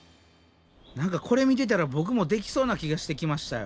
何かこれ見てたらボクもできそうな気がしてきましたよ。